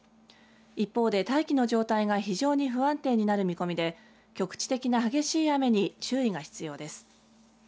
一方で大気の状態が非常に不安定になる見込みで局地的な激しい雨に注意が必要です。